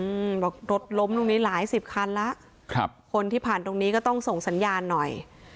อืมบอกรถล้มตรงนี้หลายสิบคันแล้วครับคนที่ผ่านตรงนี้ก็ต้องส่งสัญญาณหน่อย